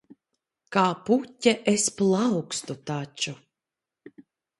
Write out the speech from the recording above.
Kā puķe es plaukstu taču.